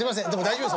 大丈夫。